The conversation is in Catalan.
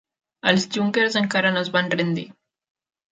Els Junkers encara no es van rendir.